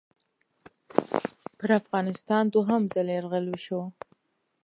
پر افغانستان دوهم ځل یرغل وشو.